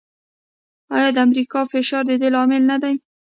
آیا د امریکا فشار د دې لامل نه دی؟